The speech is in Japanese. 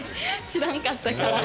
知らんかったから。